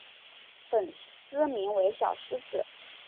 粉丝名为小狮子。